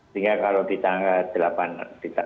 sehingga kalau ditambah delapan hari